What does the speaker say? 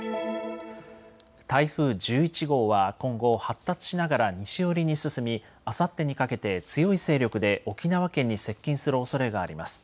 台風１１号は今後、発達しながら西寄りに進み、あさってにかけて強い勢力で沖縄県に接近するおそれがあります。